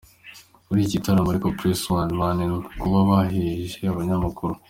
Muri iki gitaramo ariko PressOne banenzwe kuba baheje abanyamakuru.